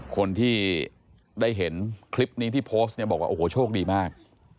คนที่ได้เห็นคลิปนี้ที่โพสต์เนี่ยบอกว่าโอ้โหโชคดีมาก